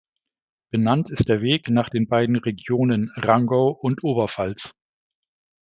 Benannt ist der Weg nach den beiden Regionen Rangau und Oberpfalz.